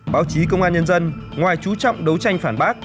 báo chí công an nhân dân ngoài chú trọng đấu tranh phản bác